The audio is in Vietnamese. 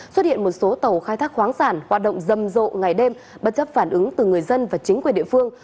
xuất hiện một số tàu khai thác khoáng sản hoạt động rầm rộ ngày đêm bất chấp phản ứng từ người dân và chính quyền địa phương